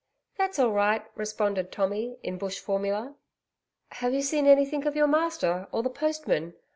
'That's all right,' responded Tommy in bush formula. 'Have you seen anything of your master or the postman?'